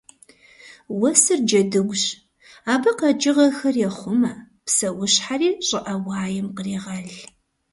Уэсыр джэдыгущ: абы къэкӏыгъэхэр ехъумэ, псэущхьэри щӏыӏэ уаем кърегъэл.